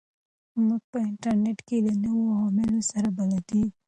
موږ په انټرنیټ کې له نویو علومو سره بلدېږو.